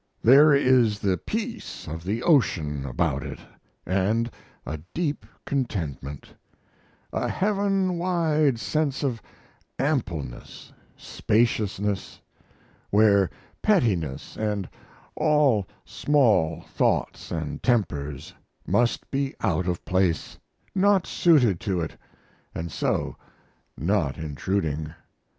There is the peace of the ocean about it and a deep contentment, a heaven wide sense of ampleness, spaciousness, where pettiness and all small thoughts and tempers must be out of place, not suited to it, and so not intruding.